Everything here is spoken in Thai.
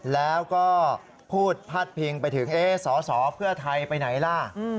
แล้วก็พูดพาดพิงไปถึงสอสอเพื่อไทยไปไหนล่ะ